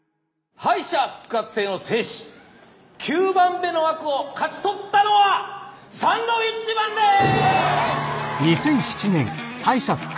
敗者復活戦を制し９番目の枠を勝ち取ったのはサンドウィッチマンです！